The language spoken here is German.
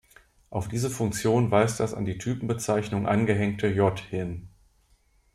Auf diese Funktion weist das an die Typenbezeichnung angehängte "J" hin.